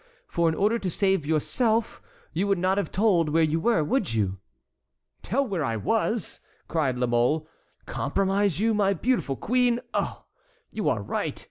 For in order to save yourself you would not have told where you were, would you?" "Tell where I was?" cried La Mole; "compromise you, my beautiful queen? Oh! you are right.